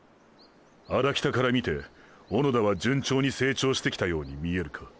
荒北から見て小野田は順調に成長してきたように見えるか。